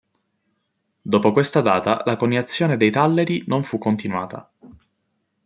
Dopo questa data la coniazione dei talleri non fu continuata.